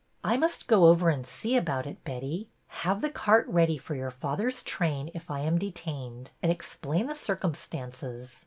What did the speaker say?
'' I must go over and see about it, Betty. Have the cart ready for your father's train if I am detained, and explain the circumstances.